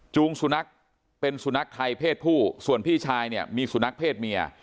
สุนัขเป็นสุนัขไทยเพศผู้ส่วนพี่ชายเนี่ยมีสุนัขเพศเมีย